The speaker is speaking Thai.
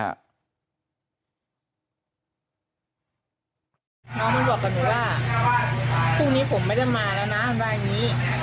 น้องมันบอกกับหนูว่าพรุ่งนี้ผมไม่ได้มาแล้วนะว่าอย่างนี้